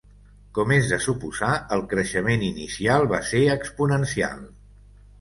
Com és de suposar, el creixement inicial va ser exponencial.